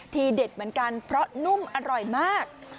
เด็ดเหมือนกันเพราะนุ่มอร่อยมาก